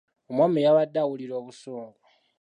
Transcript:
Omwami yabadde awulira obusungu.